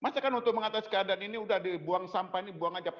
masa kan untuk mengatasi keadaan ini udah dibuang sampah ini buang aja